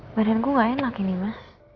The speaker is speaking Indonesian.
badan gue gak enak ini mas